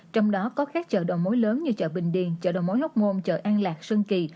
trong đó có các chợ đầu mối lớn như chợ bình điền chợ đầu mối hóc môn chợ an lạc sơn kỳ